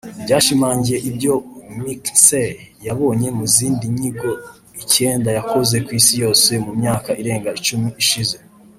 byashimangiye ibyo McKinsey yabonye mu zindi nyigo icyenda yakoze ku isi yose mu myaka irenga icumi ishize